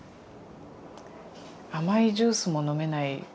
甘いジュースも飲めない。